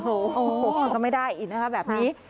โอ้โหมันก็ไม่ได้อีกนะคะแบบนี้